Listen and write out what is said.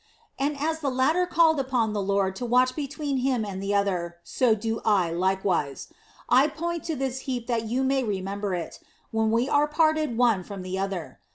And as the latter called upon the Lord to watch between him and the other, so do I likewise. I point to this heap that you may remember it, when we are parted one from the other.